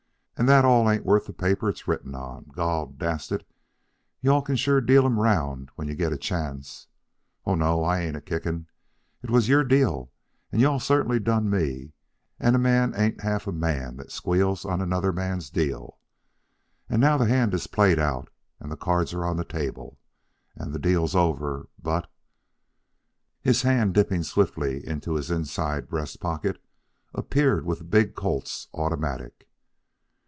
"And that all ain't worth the paper it's written on. Gol dast it, you all can sure deal 'em 'round when you get a chance. Oh, no, I ain't a kicking. It was your deal, and you all certainly done me, and a man ain't half a man that squeals on another man's deal. And now the hand is played out, and the cards are on the table, and the deal's over, but..." His hand, dipping swiftly into his inside breast pocket, appeared with the big Colt's automatic.